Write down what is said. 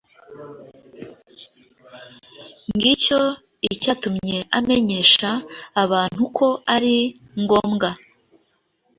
Ngicyo icyatumye amenyesha abantu ko ari ngombwa